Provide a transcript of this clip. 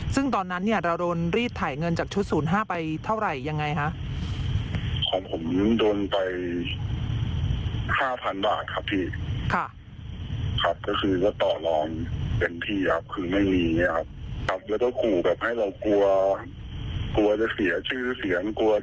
ซึ่งตอนนั้นเราโดนรีดไถเงินจากชุด๐๕ไปเท่าไหร่อย่างไร